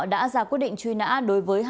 đã ra quyết định truy nã đối với